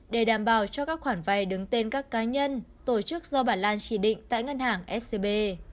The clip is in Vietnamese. để đảm bảo cho các khoản vay đứng tên các cá nhân tổ chức do bà lan chỉ định tại ngân hàng scb